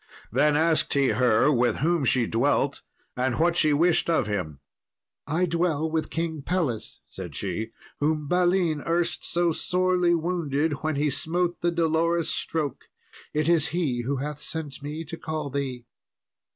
Then asked he her with whom she dwelt, and what she wished of him. "I dwell with King Pelles," said she, "whom Balin erst so sorely wounded when he smote the dolorous stroke. It is he who hath sent me to call thee."